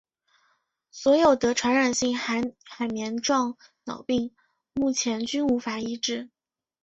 所有得传染性海绵状脑病目前均无法医治。